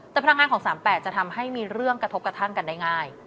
แต่พลังงานของ๓๘จะทำให้มีเรื่องกระทบกระทั่งกันได้ง่าย